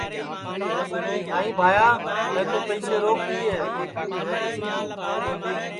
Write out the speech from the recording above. نائی بھائیا میں تو پئیسے روک دؔیے ہے